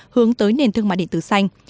hướng tới nền thương mại điện tử xanh